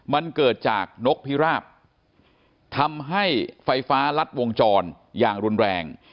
มันเกิดจากนกพิราบทำให้ไฟฟ้ารัดวงจรอย่างรุนแรง